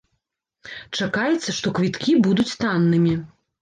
Чакаецца, што квіткі будуць таннымі.